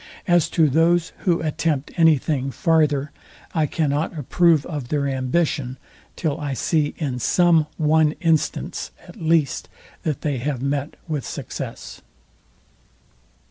As to those who attempt any thing farther, I cannot approve of their ambition, till I see, in some one instance at least, that they have met with success.